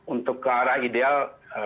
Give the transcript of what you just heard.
untuk ke arah ideal